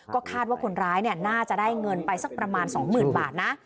ก็คาดว่าคนร้ายน่าจะได้เงินไปสักประมาณ๒๐๐๐บาทนะ